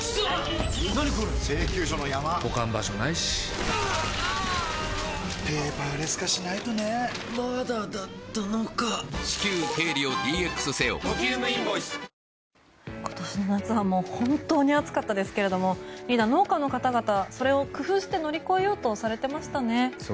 それぞれの対策で闘っている中今年の夏は本当に暑かったですけどリーダー、農家の方々それを工夫して乗り越えようとされていましたね。